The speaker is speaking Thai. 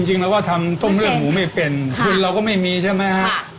จริงเราก็ทำต้มเลือดหมูไม่เป็นคนเราก็ไม่มีใช่ไหมฮะ